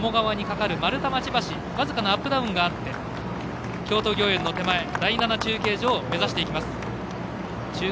僅かなアップダウンがあって京都御苑の手前第７中継所を目指していきます。